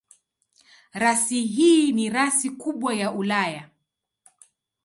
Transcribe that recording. Rasi hii ni rasi kubwa ya Ulaya.